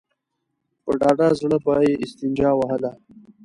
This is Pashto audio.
په ډاډه زړه به يې استنجا وهله.